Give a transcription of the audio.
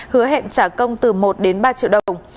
hứa hẹn trả công từ một đến ba triệu đồng